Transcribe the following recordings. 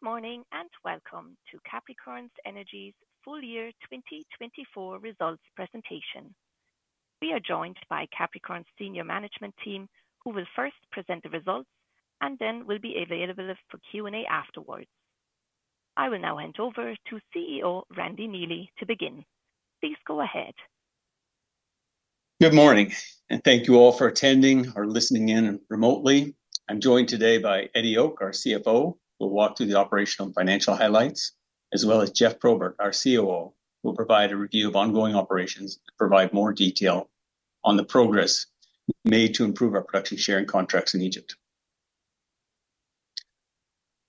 Good morning and welcome to Capricorn Energy's full year 2024 results presentation. We are joined by Capricorn's senior management team, who will first present the results and then will be available for Q&A afterwards. I will now hand over to CEO Randy Neely to begin. Please go ahead. Good morning, and thank you all for attending or listening in remotely. I'm joined today by Eddie Ok, our CFO, who will walk through the operational and financial highlights, as well as Geoff Probert, our COO, who will provide a review of ongoing operations and provide more detail on the progress made to improve our production share and contracts in Egypt.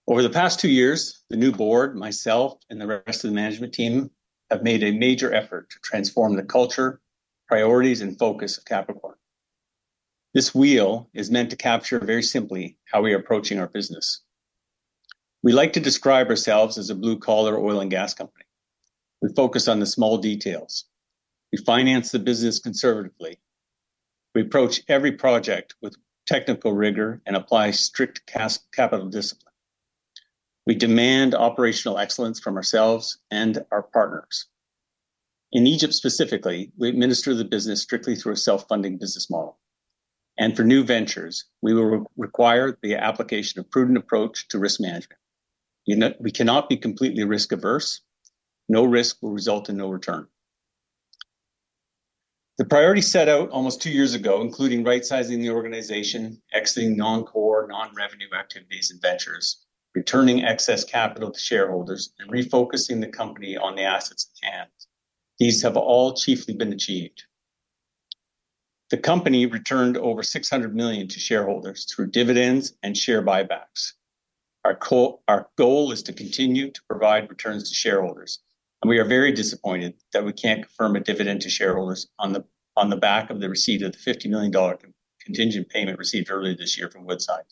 Over the past two years, the new board, myself, and the rest of the management team have made a major effort to transform the culture, priorities, and focus of Capricorn. This wheel is meant to capture very simply how we are approaching our business. We like to describe ourselves as a blue-collar oil and gas company. We focus on the small details. We finance the business conservatively. We approach every project with technical rigor and apply strict capital discipline. We demand operational excellence from ourselves and our partners. In Egypt specifically, we administer the business strictly through a self-funding business model. For new ventures, we will require the application of a prudent approach to risk management. We cannot be completely risk-averse. No risk will result in no return. The priorities set out almost two years ago, including right-sizing the organization, exiting non-core, non-revenue activities and ventures, returning excess capital to shareholders, and refocusing the company on the assets at hand. These have all chiefly been achieved. The company returned over $600 million to shareholders through dividends and share buybacks. Our goal is to continue to provide returns to shareholders, and we are very disappointed that we can't confirm a dividend to shareholders on the back of the receipt of the $50 million contingent payment received earlier this year from Woodside.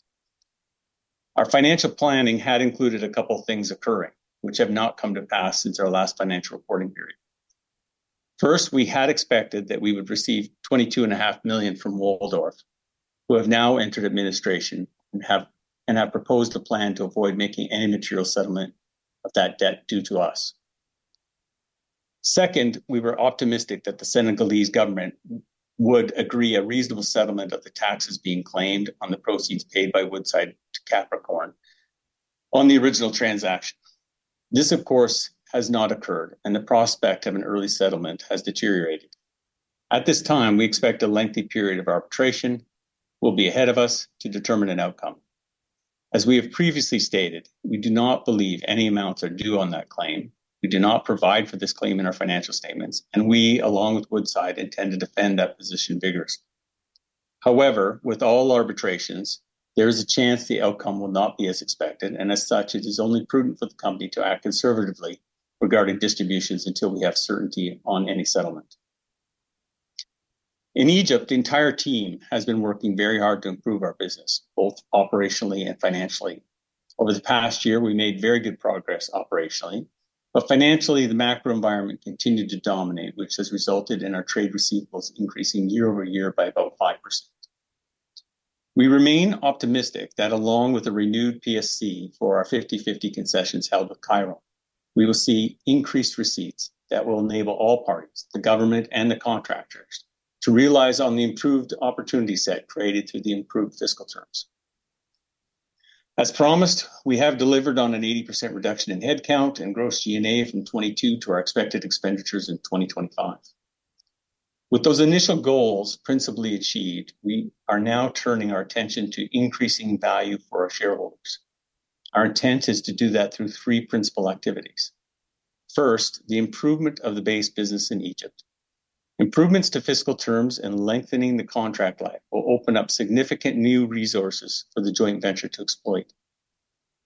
Our financial planning had included a couple of things occurring, which have not come to pass since our last financial reporting period. First, we had expected that we would receive $22.5 million from Waldorf, who have now entered administration and have proposed a plan to avoid making any material settlement of that debt due to us. Second, we were optimistic that the Senegalese government would agree to a reasonable settlement of the taxes being claimed on the proceeds paid by Woodside to Capricorn on the original transaction. This, of course, has not occurred, and the prospect of an early settlement has deteriorated. At this time, we expect a lengthy period of arbitration. We'll be ahead of us to determine an outcome. As we have previously stated, we do not believe any amounts are due on that claim. We do not provide for this claim in our financial statements, and we, along with Woodside, intend to defend that position vigorously. However, with all arbitrations, there is a chance the outcome will not be as expected, and as such, it is only prudent for the company to act conservatively regarding distributions until we have certainty on any settlement. In Egypt, the entire team has been working very hard to improve our business, both operationally and financially. Over the past year, we made very good progress operationally, but financially, the macro environment continued to dominate, which has resulted in our trade receivables increasing year-over-year by about 5%. We remain optimistic that along with a renewed PSC for our 50/50 concessions held with Cheiron, we will see increased receipts that will enable all parties, the government and the contractors, to realize the improved opportunity set created through the improved fiscal terms. As promised, we have delivered on an 80% reduction in headcount and gross G&A from 22 to our expected expenditures in 2025. With those initial goals principally achieved, we are now turning our attention to increasing value for our shareholders. Our intent is to do that through three principal activities. First, the improvement of the base business in Egypt. Improvements to fiscal terms and lengthening the contract life will open up significant new resources for the joint venture to exploit.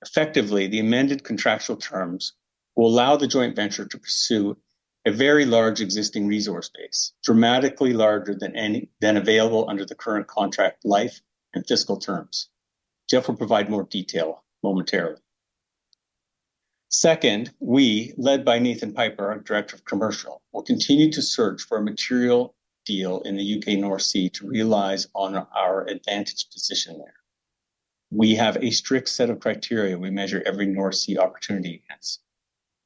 Effectively, the amended contractual terms will allow the joint venture to pursue a very large existing resource base, dramatically larger than available under the current contract life and fiscal terms. Geoff will provide more detail momentarily. Second, we, led by Nathan Piper, our Director of Commercial, will continue to search for a material deal in the U.K. North Sea to realize our advantage position there. We have a strict set of criteria we measure every North Sea opportunity against.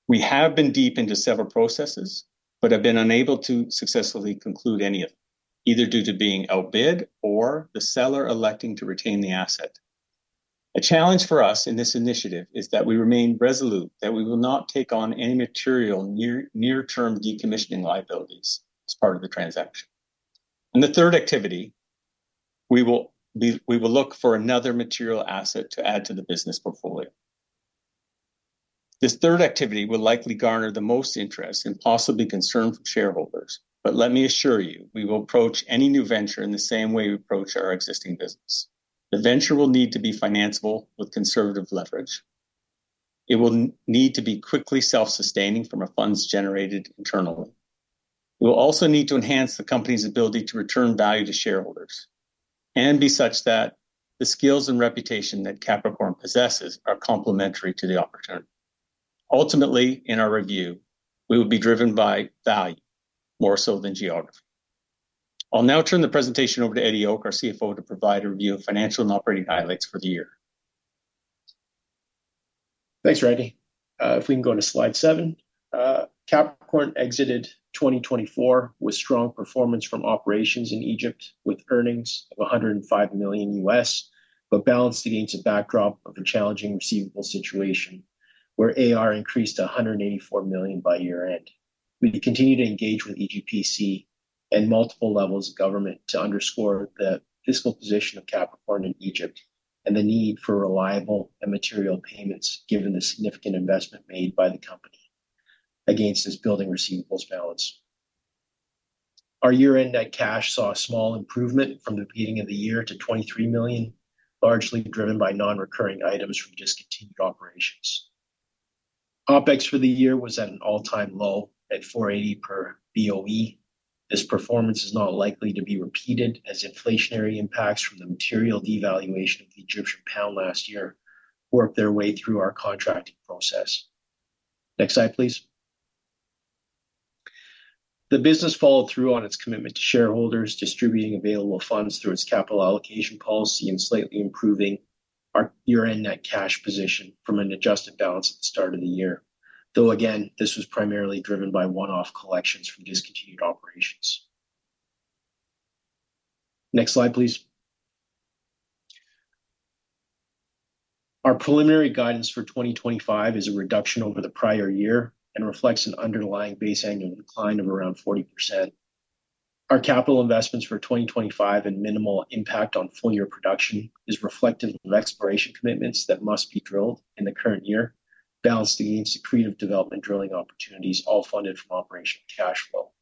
We have been deep into several processes but have been unable to successfully conclude any of them, either due to being outbid or the seller electing to retain the asset. A challenge for us in this initiative is that we remain resolute that we will not take on any material near-term decommissioning liabilities as part of the transaction. The third activity, we will look for another material asset to add to the business portfolio. This third activity will likely garner the most interest and possibly concern from shareholders, but let me assure you, we will approach any new venture in the same way we approach our existing business. The venture will need to be financeable with conservative leverage. It will need to be quickly self-sustaining from funds generated internally. We will also need to enhance the company's ability to return value to shareholders and be such that the skills and reputation that Capricorn possesses are complementary to the opportunity. Ultimately, in our review, we will be driven by value more so than geography. I'll now turn the presentation over to Eddie Ok, our CFO, to provide a review of financial and operating highlights for the year. Thanks, Randy. If we can go to slide seven. Capricorn exited 2024 with strong performance from operations in Egypt with earnings of $105 million, but balanced against a backdrop of a challenging receivable situation where AR increased to $184 million by year-end. We continue to engage with EGPC and multiple levels of government to underscore the fiscal position of Capricorn in Egypt and the need for reliable and material payments given the significant investment made by the company against its building receivables balance. Our year-end net cash saw a small improvement from the beginning of the year to $23 million, largely driven by non-recurring items from discontinued operations. OPEX for the year was at an all-time low at $4.80 per BOE. This performance is not likely to be repeated as inflationary impacts from the material devaluation of the Egyptian pound last year worked their way through our contracting process. Next slide, please. The business followed through on its commitment to shareholders, distributing available funds through its capital allocation policy and slightly improving our year-end net cash position from an adjusted balance at the start of the year, though again, this was primarily driven by one-off collections from discontinued operations. Next slide, please. Our preliminary guidance for 2025 is a reduction over the prior year and reflects an underlying base annual decline of around 40%. Our capital investments for 2025 and minimal impact on full-year production is reflective of exploration commitments that must be drilled in the current year, balanced against accretive development drilling opportunities, all funded from operational cash flow.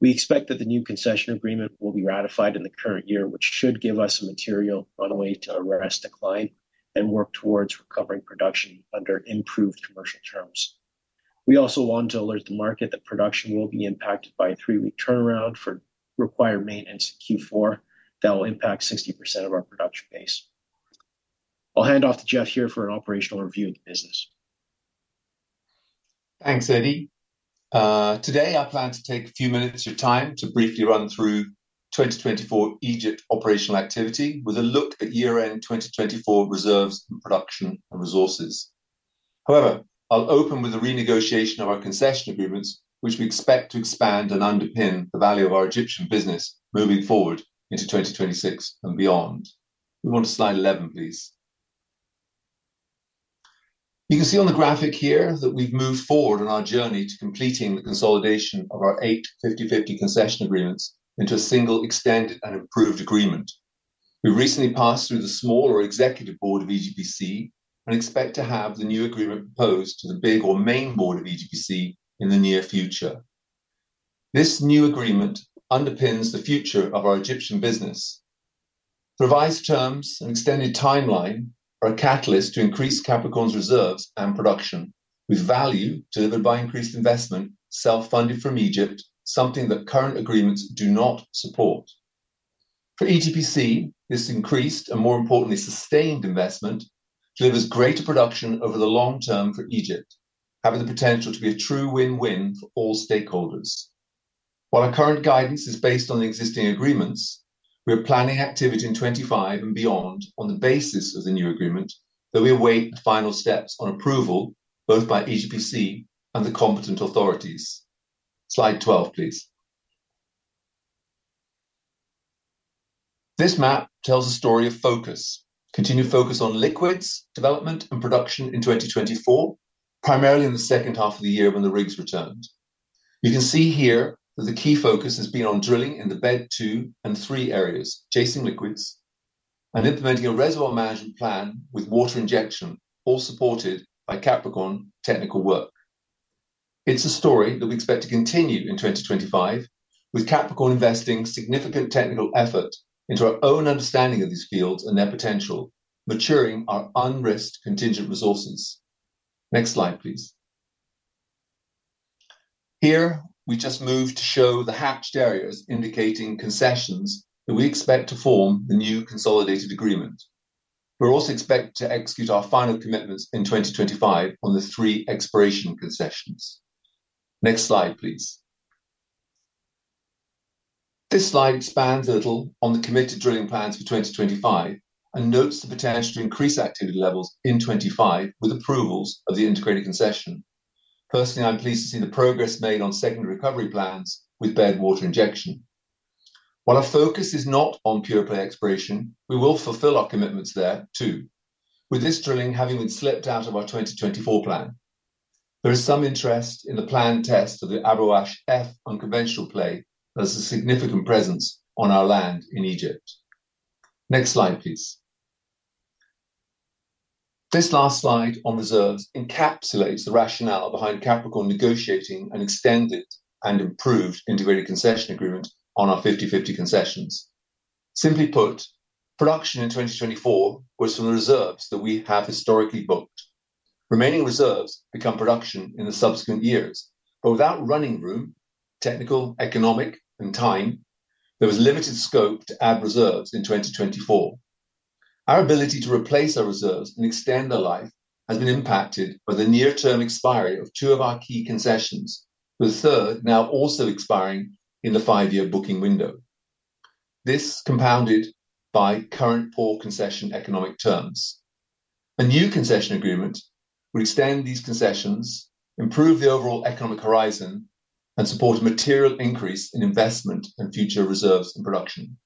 We expect that the new concession agreement will be ratified in the current year, which should give us a material runway to arrest decline and work towards recovering production under improved commercial terms. We also want to alert the market that production will be impacted by a three-week turnaround for required maintenance in Q4 that will impact 60% of our production base. I'll hand off to Geoff here for an operational review of the business. Thanks, Eddie. Today, I plan to take a few minutes of your time to briefly run through 2024 Egypt operational activity with a look at year-end 2024 reserves in production and resources. However, I'll open with a renegotiation of our concession agreements, which we expect to expand and underpin the value of our Egyptian business moving forward into 2026 and beyond. We want to slide 11, please. You can see on the graphic here that we've moved forward on our journey to completing the consolidation of our eight 50/50 concession agreements into a single extended and improved agreement. We've recently passed through the smaller executive board of EGPC and expect to have the new agreement proposed to the big or main board of EGPC in the near future. This new agreement underpins the future of our Egyptian business. The revised terms and extended timeline are a catalyst to increase Capricorn's reserves and production, with value delivered by increased investment self-funded from Egypt, something that current agreements do not support. For EGPC, this increased and, more importantly, sustained investment delivers greater production over the long term for Egypt, having the potential to be a true win-win for all stakeholders. While our current guidance is based on the existing agreements, we are planning activity in 2025 and beyond on the basis of the new agreement, though we await the final steps on approval both by EGPC and the competent authorities. Slide 12, please. This map tells a story of focus, continued focus on liquids development and production in 2024, primarily in the second half of the year when the rigs returned. You can see here that the key focus has been on drilling in the BED two and three areas, chasing liquids and implementing a reservoir management plan with water injection, all supported by Capricorn technical work. It's a story that we expect to continue in 2025, with Capricorn investing significant technical effort into our own understanding of these fields and their potential, maturing our unrisked contingent resources. Next slide, please. Here, we just moved to show the hatched areas indicating concessions that we expect to form the new consolidated agreement. We're also expected to execute our final commitments in 2025 on the three exploration concessions. Next slide, please. This slide expands a little on the committed drilling plans for 2025 and notes the potential to increase activity levels in 2025 with approvals of the integrated concession. Personally, I'm pleased to see the progress made on secondary recovery plans with BED water injection. While our focus is not on pure play exploration, we will fulfill our commitments there too, with this drilling having been slipped out of our 2024 plan. There is some interest in the planned test of the Abu Roash F unconventional play that has a significant presence on our land in Egypt. Next slide, please. This last slide on reserves encapsulates the rationale behind Capricorn negotiating an extended and improved integrated concession agreement on our 50/50 concessions. Simply put, production in 2024 was from the reserves that we have historically booked. Remaining reserves become production in the subsequent years, but without running room, technical, economic, and time, there was limited scope to add reserves in 2024. Our ability to replace our reserves and extend their life has been impacted by the near-term expiry of two of our key concessions, with the third now also expiring in the five-year booking window. This is compounded by current poor concession economic terms. A new concession agreement would extend these concessions, improve the overall economic horizon, and support a material increase in investment and future reserves and production.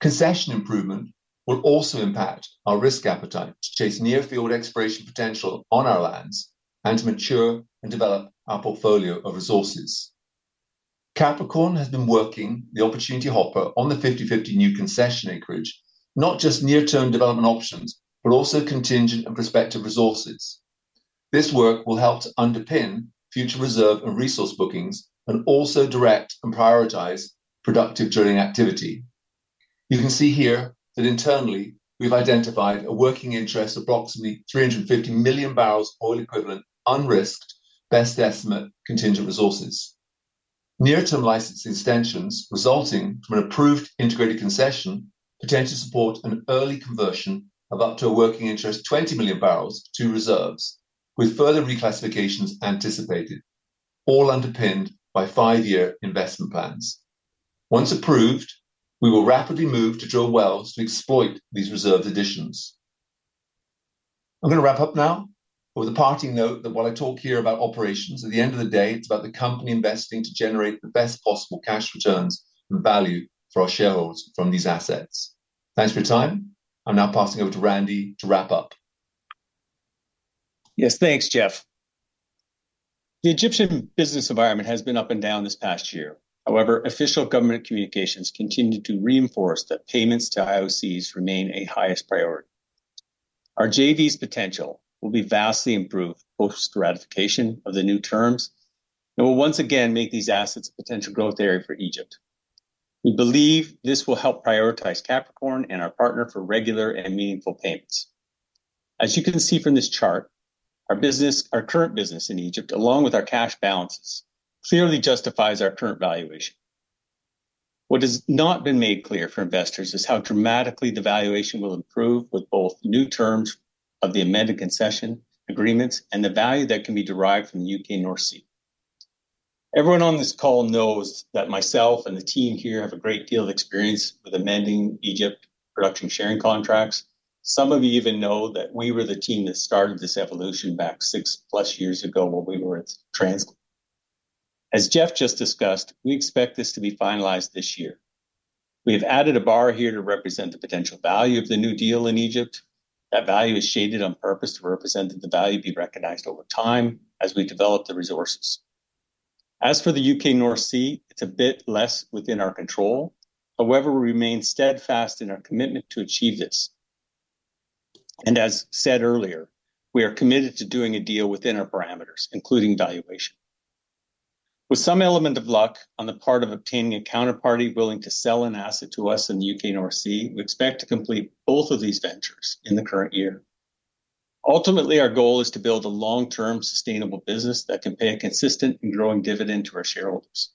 Concession improvement will also impact our risk appetite to chase near-field expiration potential on our lands and to mature and develop our portfolio of resources. Capricorn has been working the opportunity hopper on the 50/50 new concession acreage, not just near-term development options, but also contingent and prospective resources. This work will help to underpin future reserve and resource bookings and also direct and prioritize productive drilling activity. You can see here that internally, we've identified a working interest of approximately 350 million barrels of oil equivalent unrisked best estimate contingent resources. Near-term licensing extensions resulting from an approved integrated concession potentially support an early conversion of up to a working interest of 20 million barrels to reserves, with further reclassifications anticipated, all underpinned by five-year investment plans. Once approved, we will rapidly move to drill wells to exploit these reserve additions. I'm going to wrap up now with a parting note that while I talk here about operations, at the end of the day, it's about the company investing to generate the best possible cash returns and value for our shareholders from these assets. Thanks for your time. I'm now passing over to Randy to wrap up. Yes, thanks, Geoff. The Egyptian business environment has been up and down this past year. However, official government communications continue to reinforce that payments to IOCs remain a highest priority. Our JV's potential will be vastly improved post-ratification of the new terms and will once again make these assets a potential growth area for Egypt. We believe this will help prioritize Capricorn and our partner for regular and meaningful payments. As you can see from this chart, our current business in Egypt, along with our cash balances, clearly justifies our current valuation. What has not been made clear for investors is how dramatically the valuation will improve with both new terms of the amended concession agreements and the value that can be derived from the UK North Sea. Everyone on this call knows that myself and the team here have a great deal of experience with amending Egypt production sharing contracts. Some of you even know that we were the team that started this evolution back six-plus years ago while we were in transit. As Geoff just discussed, we expect this to be finalized this year. We have added a bar here to represent the potential value of the new deal in Egypt. That value is shaded on purpose to represent the value to be recognized over time as we develop the resources. As for the U.K. North Sea, it's a bit less within our control. However, we remain steadfast in our commitment to achieve this. As said earlier, we are committed to doing a deal within our parameters, including valuation. With some element of luck on the part of obtaining a counterparty willing to sell an asset to us in the U.K. North Sea, we expect to complete both of these ventures in the current year. Ultimately, our goal is to build a long-term sustainable business that can pay a consistent and growing dividend to our shareholders.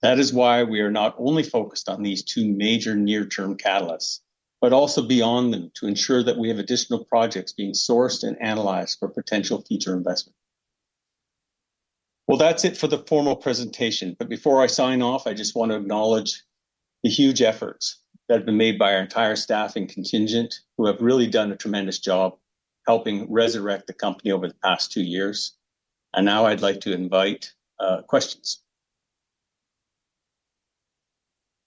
That is why we are not only focused on these two major near-term catalysts, but also beyond them to ensure that we have additional projects being sourced and analyzed for potential future investment. That is it for the formal presentation. Before I sign off, I just want to acknowledge the huge efforts that have been made by our entire staff and contingent who have really done a tremendous job helping resurrect the company over the past two years. Now I'd like to invite questions.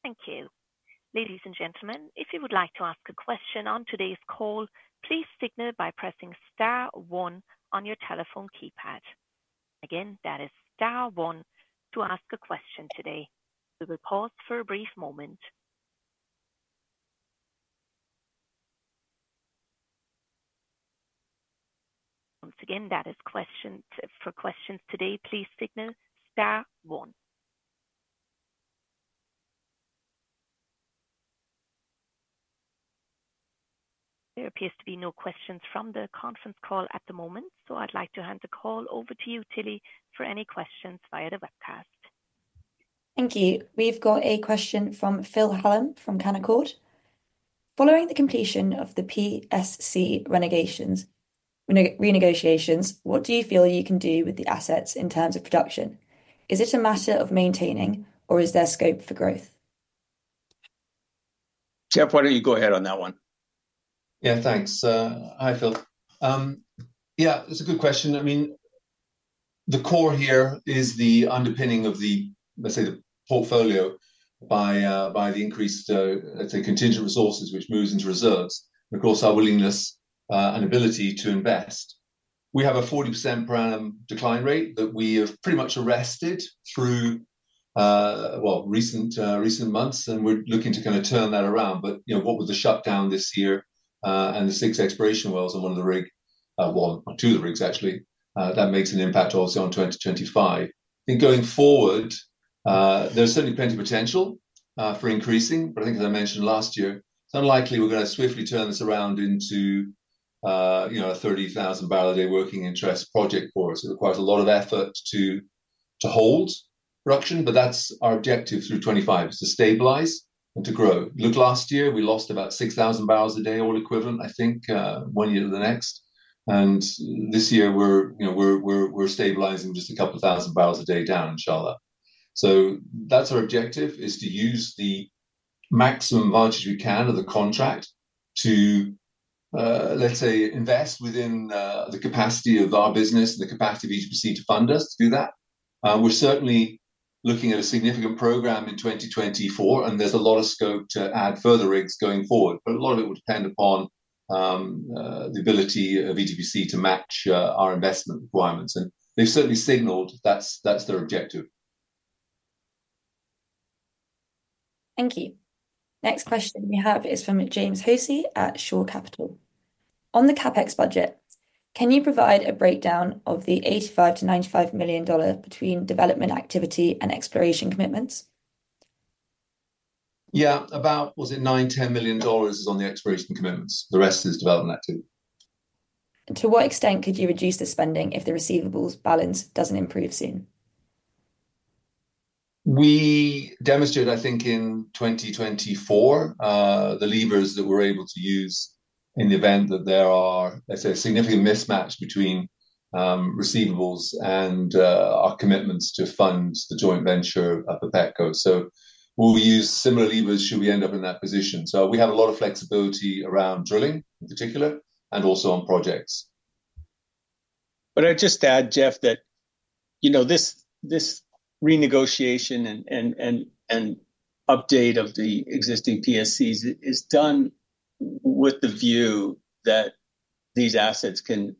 Thank you. Ladies and gentlemen, if you would like to ask a question on today's call, please signal by pressing star one on your telephone keypad. Again, that is star one to ask a question today. We will pause for a brief moment. Once again, for questions today, please signal star one. There appear to be no questions from the conference call at the moment, so I would like to hand the call over to you, Tilly, for any questions via the webcast. Thank you. We've got a question from Phil Hallam from Canaccord. Following the completion of the PSC renegotiations, what do you feel you can do with the assets in terms of production? Is it a matter of maintaining, or is there scope for growth? Geoff, why don't you go ahead on that one? Yeah, thanks. Hi, Phil. Yeah, it's a good question. I mean, the core here is the underpinning of the, let's say, the portfolio by the increased, let's say, contingent resources, which moves into reserves, and of course, our willingness and ability to invest. We have a 40% per annum decline rate that we have pretty much arrested through, well, recent months, and we're looking to kind of turn that around. What was the shutdown this year and the six exploration wells on one of the rig, well, two of the rigs, actually, that makes an impact also on 2025. I think going forward, there's certainly plenty of potential for increasing, but I think, as I mentioned last year, it's unlikely we're going to swiftly turn this around into a 30,000 barrel a day working interest project for us. It requires a lot of effort to hold production, but that's our objective through 2025 is to stabilize and to grow. Look, last year, we lost about 6,000 barrels a day, all equivalent, I think, one year to the next. This year, we're stabilizing just a couple of thousand barrels a day down, inshallah. That's our objective, is to use the maximum advantage we can of the contract to, let's say, invest within the capacity of our business and the capacity of EGPC to fund us to do that. We're certainly looking at a significant program in 2024, and there's a lot of scope to add further rigs going forward, but a lot of it would depend upon the ability of EGPC to match our investment requirements. They have certainly signaled that's their objective. Thank you. Next question we have is from James Hosey at Shore Capital. On the CapEx budget, can you provide a breakdown of the $85 to $95 million between development activity and exploration commitments? Yeah, about, was it $9 million, $10 million is on the exploration commitments. The rest is development activity. To what extent could you reduce the spending if the receivables balance doesn't improve soon? We demonstrated, I think, in 2024, the levers that we're able to use in the event that there are, let's say, a significant mismatch between receivables and our commitments to fund the joint venture of Capricorn. Will we use similar levers should we end up in that position? We have a lot of flexibility around drilling in particular and also on projects. I'd just add, Geoff, that this renegotiation and update of the existing PSCs is done with the view that these assets can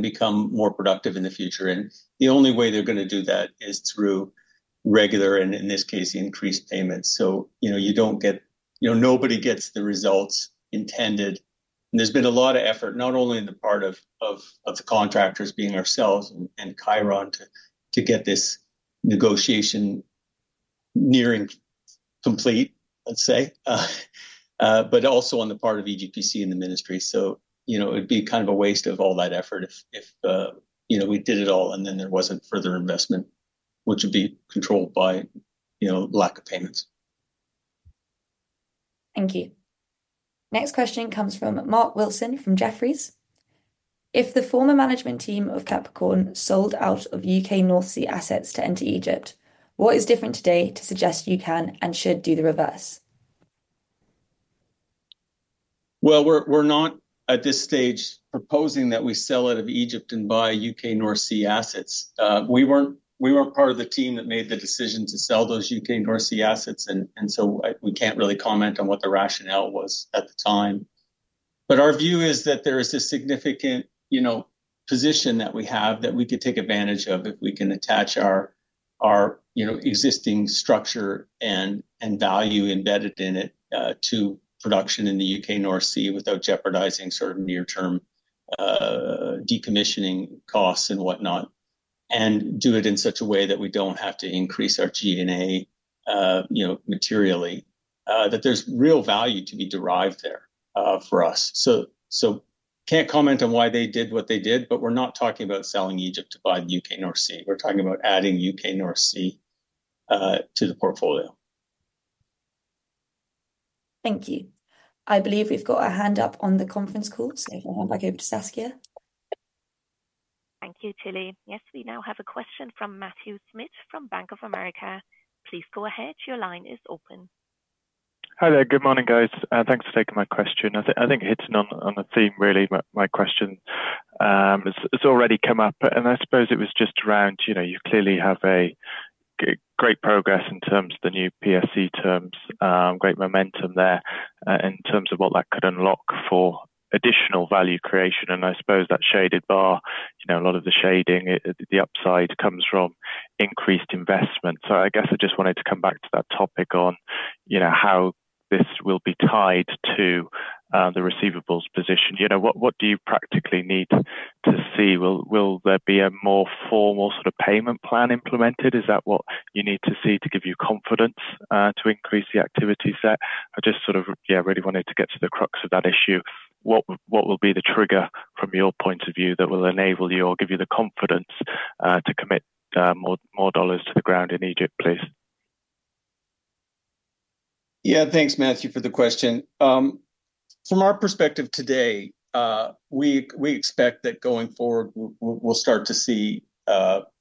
become more productive in the future. The only way they're going to do that is through regular, and in this case, increased payments. You don't get nobody gets the results intended. There's been a lot of effort, not only on the part of the contractors being ourselves and Cheiron, to get this negotiation nearing complete, let's say, but also on the part of EGPC and the ministry. It would be kind of a waste of all that effort if we did it all and then there wasn't further investment, which would be controlled by lack of payments. Thank you. Next question comes from Mark Wilson from Jefferies. If the former management team of Capricorn sold out of U.K. North Sea assets to enter Egypt, what is different today to suggest you can and should do the reverse? We are not at this stage proposing that we sell out of Egypt and buy U.K. North Sea assets. We were not part of the team that made the decision to sell those U.K. North Sea assets, and we cannot really comment on what the rationale was at the time. Our view is that there is a significant position that we have that we could take advantage of if we can attach our existing structure and value emBEDded in it to production in the U.K. North Sea without jeopardizing sort of near-term decommissioning costs and whatnot, and do it in such a way that we do not have to increase our G&A materially, that there is real value to be derived there for us. We cannot comment on why they did what they did, but we are not talking about selling Egypt to buy the U.K. North Sea. We're talking about adding U.K. North Sea to the portfolio. Thank you. I believe we've got a hand up on the conference call, so if I hand back over to Saskia. Thank you, Tilly. Yes, we now have a question from Matthew Smith from Bank of America. Please go ahead. Your line is open. Hi there. Good morning, guys. Thanks for taking my question. I think it hits on a theme, really, my question. It's already come up, and I suppose it was just around you clearly have great progress in terms of the new PSC terms, great momentum there in terms of what that could unlock for additional value creation. I suppose that shaded bar, a lot of the shading, the upside comes from increased investment. I just wanted to come back to that topic on how this will be tied to the receivables position. What do you practically need to see? Will there be a more formal sort of payment plan implemented? Is that what you need to see to give you confidence to increase the activity set? I just really wanted to get to the crux of that issue. What will be the trigger from your point of view that will enable you or give you the confidence to commit more dollars to the ground in Egypt, please? Yeah, thanks, Matthew, for the question. From our perspective today, we expect that going forward, we'll start to see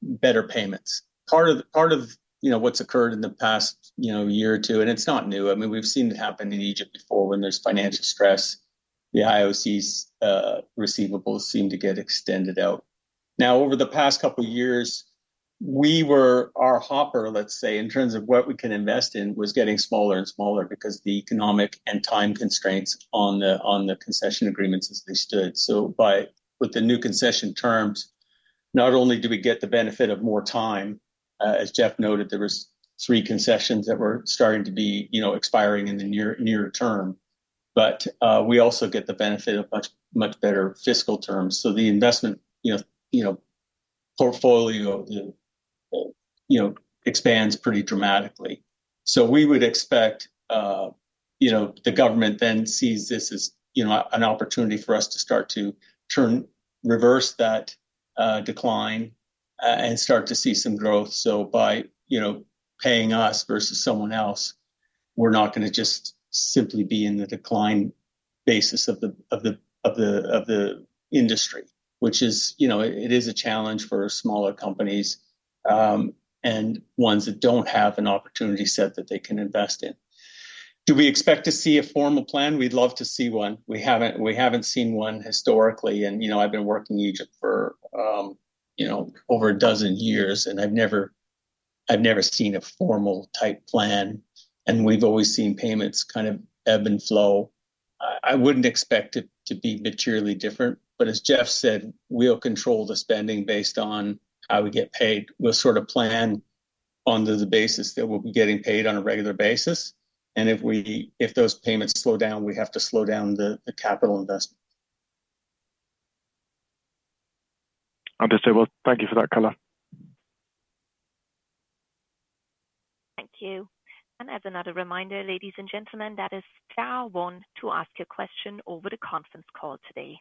better payments. Part of what's occurred in the past year or two, and it's not new. I mean, we've seen it happen in Egypt before when there's financial stress. The IOC's receivables seem to get extended out. Now, over the past couple of years, our hopper, let's say, in terms of what we can invest in, was getting smaller and smaller because of the economic and time constraints on the concession agreements as they stood. With the new concession terms, not only do we get the benefit of more time, as Geoff noted, there were three concessions that were starting to be expiring in the near term, but we also get the benefit of much better fiscal terms. The investment portfolio expands pretty dramatically. We would expect the government then sees this as an opportunity for us to start to reverse that decline and start to see some growth. By paying us versus someone else, we're not going to just simply be in the decline basis of the industry, which is a challenge for smaller companies and ones that don't have an opportunity set that they can invest in. Do we expect to see a formal plan? We'd love to see one. We haven't seen one historically. I have been working in Egypt for over a dozen years, and I've never seen a formal type plan. We have always seen payments kind of ebb and flow. I wouldn't expect it to be materially different. As Geoff said, we'll control the spending based on how we get paid. We'll sort of plan on the basis that we'll be getting paid on a regular basis. If those payments slow down, we have to slow down the capital investment. Understood. Thank you for that. Thank you. As another reminder, ladies and gentlemen, that is star one to ask a question over the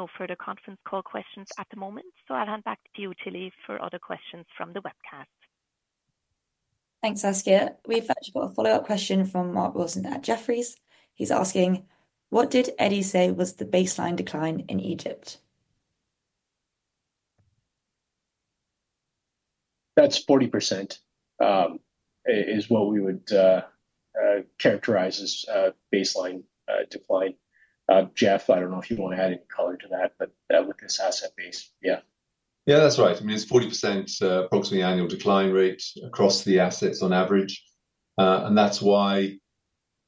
conference call today. Pause for a brief moment. No further conference call questions at the moment. I will hand back to you, Tilly, for other questions from the webcast. Thanks, Saskia. We've actually got a follow-up question from Mark Wilson at Jefferies. He's asking, what did Eddie say was the baseline decline in Egypt? That's 40% is what we would characterize as baseline decline. Geoff, I don't know if you want to add any color to that, but with this asset base, yeah. Yeah, that's right. I mean, it's 40% approximately annual decline rate across the assets on average. That's why,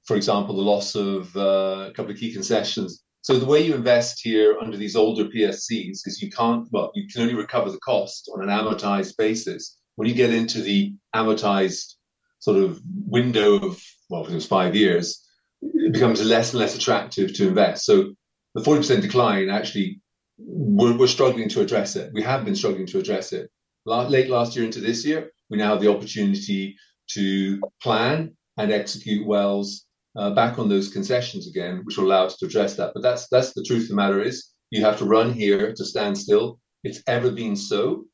for example, the loss of a couple of key concessions. The way you invest here under these older PSCs is you can't, well, you can only recover the cost on an amortized basis. When you get into the amortized sort of window of, well, if it was five years, it becomes less and less attractive to invest. The 40% decline, actually, we're struggling to address it. We have been struggling to address it. Late last year into this year, we now have the opportunity to plan and execute wells back on those concessions again, which will allow us to address that. The truth of the matter is you have to run here to stand still. It's ever been so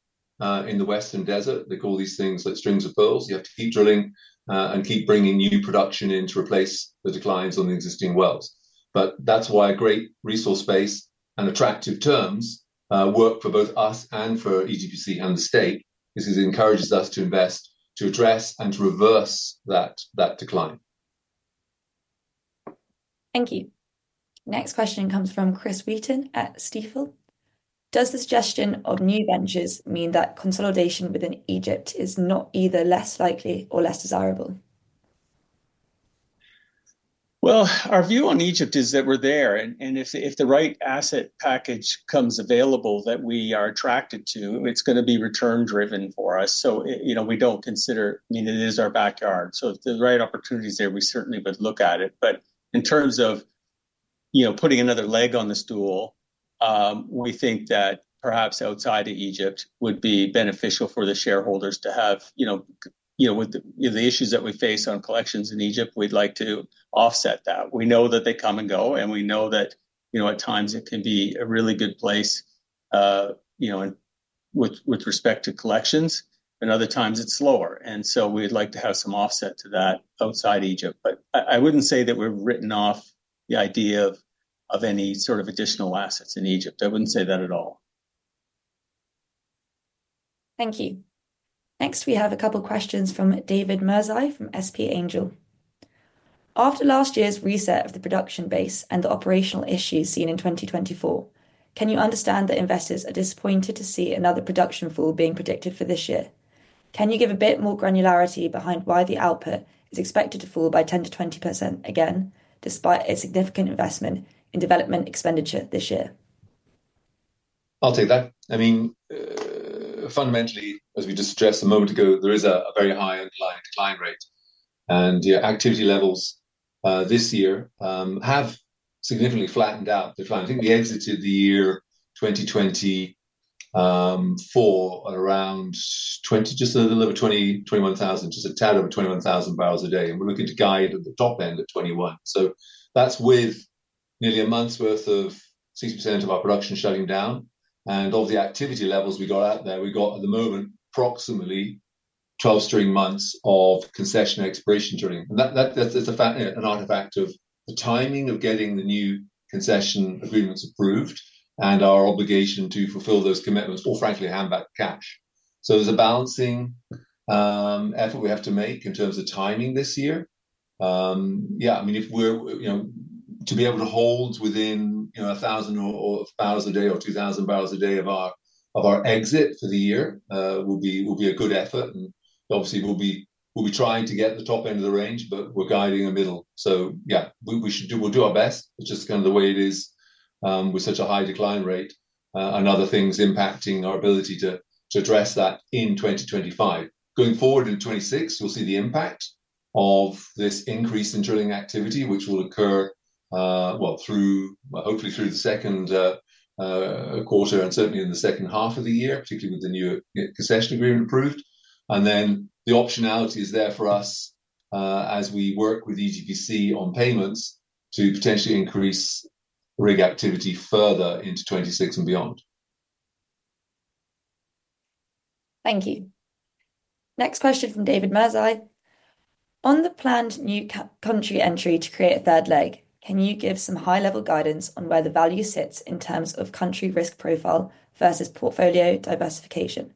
in the Western Desert. They call these things like strings of burls. You have to keep drilling and keep bringing new production in to replace the declines on the existing wells. That is why a great resource base and attractive terms work for both us and for EGPC and the state. This encourages us to invest, to address, and to reverse that decline. Thank you. Next question comes from Chris Wheaton at Stifel. Does the suggestion of new ventures mean that consolidation within Egypt is not either less likely or less desirable? Our view on Egypt is that we're there. And if the right asset package comes available that we are attracted to, it's going to be return-driven for us. We don't consider, I mean, it is our backyard. If the right opportunity is there, we certainly would look at it. In terms of putting another leg on the stool, we think that perhaps outside of Egypt would be beneficial for the shareholders to have. With the issues that we face on collections in Egypt, we'd like to offset that. We know that they come and go, and we know that at times it can be a really good place with respect to collections, and other times it's slower. We'd like to have some offset to that outside Egypt. I would not say that we have written off the idea of any sort of additional assets in Egypt. I would not say that at all. Thank you. Next, we have a couple of questions from David Mirzai from SP Angel. After last year's reset of the production base and the operational issues seen in 2024, can you understand that investors are disappointed to see another production fall being predicted for this year? Can you give a bit more granularity behind why the output is expected to fall by 10-20% again, despite a significant investment in development expenditure this year? I'll take that. I mean, fundamentally, as we just addressed a moment ago, there is a very high underlying decline rate. Activity levels this year have significantly flattened out. I think we exited the year 2024 at around just a little over 20, 21,000, just a tad over 21,000 barrels a day. We're looking to guide at the top end of 21. That's with nearly a month's worth of 60% of our production shutting down. Of the activity levels we got out there, we got at the moment approximately 12 string months of concession exploration drilling. That's an artifact of the timing of getting the new concession agreements approved and our obligation to fulfill those commitments, or frankly, hand back the cash. There's a balancing effort we have to make in terms of timing this year. Yeah, I mean, if we're to be able to hold within 1,000 or 1,000 a day or 2,000 barrels a day of our exit for the year will be a good effort. Obviously, we'll be trying to get the top end of the range, but we're guiding a middle. Yeah, we'll do our best. It's just kind of the way it is with such a high decline rate and other things impacting our ability to address that in 2025. Going forward in 2026, you'll see the impact of this increase in drilling activity, which will occur, hopefully through the second quarter and certainly in the second half of the year, particularly with the new concession agreement approved. The optionality is there for us as we work with EGPC on payments to potentially increase rig activity further into 2026 and beyond. Thank you. Next question from David Mirzai. On the planned new country entry to create a third leg, can you give some high-level guidance on where the value sits in terms of country risk profile versus portfolio diversification?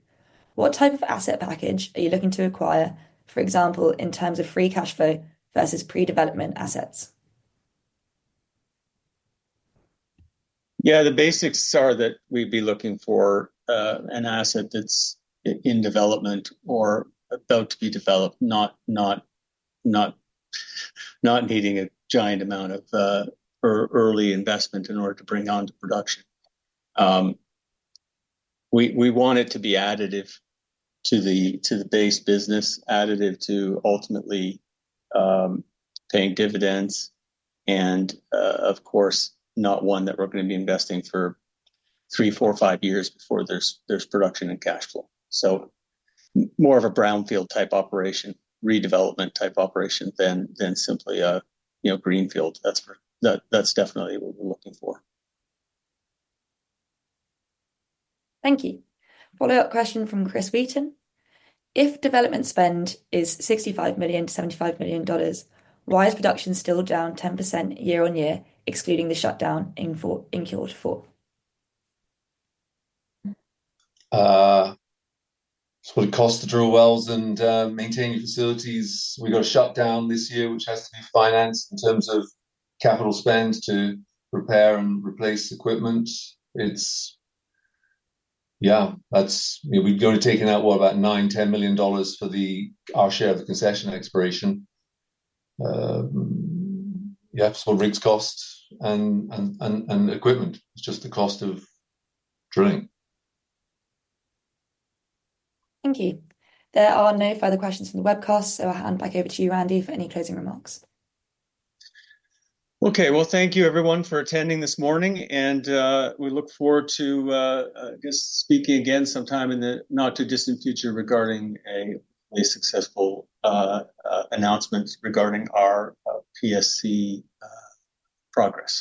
What type of asset package are you looking to acquire, for example, in terms of free cash flow versus pre-development assets? Yeah, the basics are that we'd be looking for an asset that's in development or about to be developed, not needing a giant amount of early investment in order to bring on to production. We want it to be additive to the base business, additive to ultimately paying dividends, and of course, not one that we're going to be investing for three, four, five years before there's production and cash flow. More of a brownfield-type operation, redevelopment-type operation than simply a greenfield. That's definitely what we're looking for. Thank you. Follow-up question from Chris Wheaton. If development spend is $65 million-$75 million, why is production still down 10% year on year, excluding the shutdown in Quarter 4? It's what it costs to drill wells and maintain your facilities. We've got a shutdown this year, which has to be financed in terms of capital spend to repair and replace equipment. Yeah, we've only taken out, what, about $9 million, $10 million for our share of the concession expiration. Yeah, so rigs cost and equipment is just the cost of drilling. Thank you. There are no further questions from the webcast, so I'll hand back over to you, Randy, for any closing remarks. Okay, thank you, everyone, for attending this morning. We look forward to, I guess, speaking again sometime in the not-too-distant future regarding a successful announcement regarding our PSC progress.